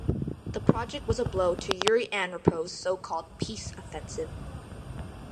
The project was a blow to Yuri Andropov's so-called "peace offensive".